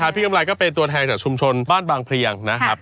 กำไรก็เป็นตัวแทนจากชุมชนบ้านบางเพลียงนะครับ